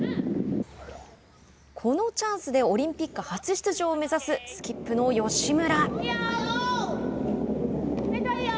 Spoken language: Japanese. このチャンスでオリンピック初出場を目指すスキップの吉村。